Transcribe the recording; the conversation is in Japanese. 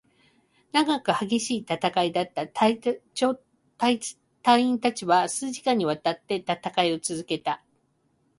長く、激しい戦いだった。隊員達は数時間に渡って戦いを続けた。